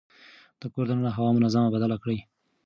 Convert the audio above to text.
د کور دننه هوا منظم بدله کړئ.